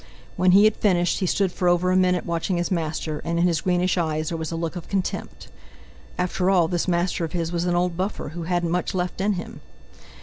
When he had finished, he stood for over a minute watching his master, and in his greenish eyes there was a look of contempt: After all, this master of his was an old buffer, who hadn't much left in him!